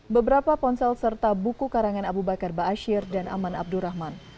beberapa ponsel serta buku karangan abu bakar baasyir dan aman abdurrahman